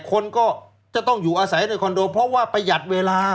คนก็จะต้องอยู่อาศัยในคอนโดเพราะว่าประหยัดเวลา